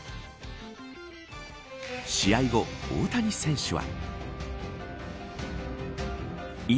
試合後、大谷選手は。